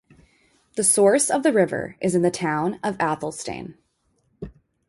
The source of the river is in the Town of Athelstane.